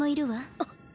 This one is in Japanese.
あっ。